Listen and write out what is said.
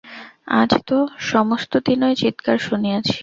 আজ তো সমস্তদিনই চীৎকার শুনিয়াছি।